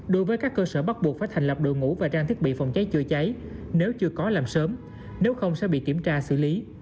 đối với các cơ sở bắt buộc phải thành lập đội ngũ và trang thiết bị phòng cháy chữa cháy nếu chưa có làm sớm nếu không sẽ bị kiểm tra xử lý